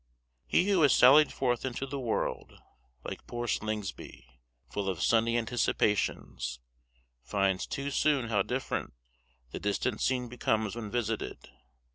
He who has sallied forth into the world, like poor Slingsby, full of sunny anticipations, finds too soon how different the distant scene becomes when visited.